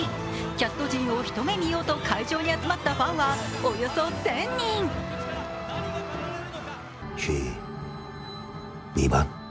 キャスト陣を一目見ようと会場に集まったファンはおよそ１０００ひと。